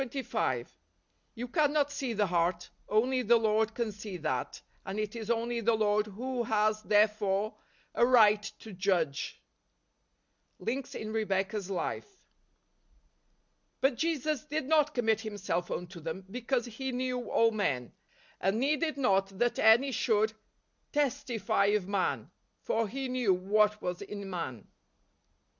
You cannot see the heart. Only the Lord can see that, and it is only the Lord who has, therefore, a right to judge. Links In Rebecca's Life. " But Jesus did not commit himself unto them, because he knew all men, And needed not that any should testify of man : for he knew what was in man."